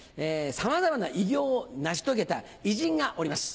さまざまな偉業を成し遂げた偉人がおります。